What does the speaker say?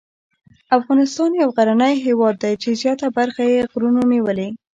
افغانستان یو غرنی هېواد دی چې زیاته برخه یې غرونو نیولې.